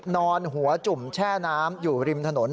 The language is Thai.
นอนหัวจุ่มแช่น้ำอยู่ริมถนน